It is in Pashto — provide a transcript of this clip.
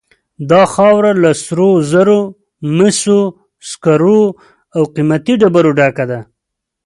دا خاوره له سرو زرو، مسو، سکرو او قیمتي ډبرو ډکه ده.